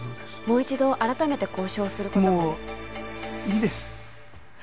もう一度改めて交渉することもういいです